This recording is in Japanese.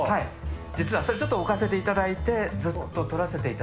実はそれ、ちょっと置かせていただいて、ずっと撮らせていた